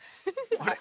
あれ？